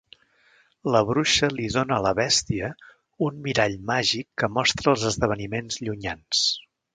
La bruixa li dóna a la bèstia un mirall màgic que mostra els esdeveniments llunyans.